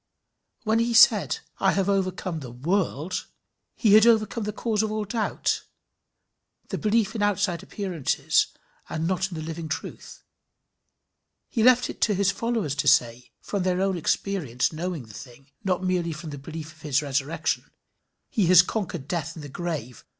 When he said "I have overcome the world" he had overcome the cause of all doubt, the belief in the outside appearances and not in the living truth: he left it to his followers to say, from their own experience knowing the thing, not merely from the belief of his resurrection, "He has conquered death and the grave.